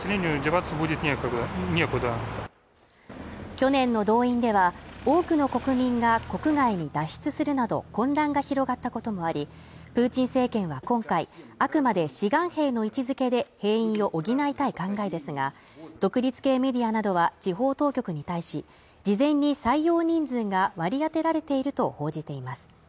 去年の動員では、多くの国民が国外に脱出するなど、混乱が広がったこともあり、プーチン政権は今回あくまで志願兵の位置づけで、兵員を補いたい考えですが、独立系メディアなどは、地方当局に対し、事前に採用人数が割り当てられていると報じています。